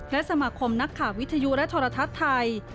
และสมาคมนักข่าววิทยุและโทรทัศน์ไทย